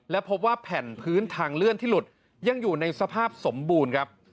และพบว่าแผ่นพื้นทางเลื่อนที่หลุดยังอยู่ในสภาพสมบูรณ์ครับ